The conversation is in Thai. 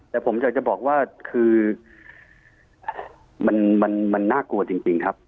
แต่ผมอยากจะบอกว่าคือมันน่ากลัวจริงครับ